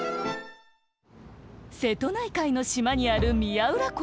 瀬戸内海の島にある宮浦港。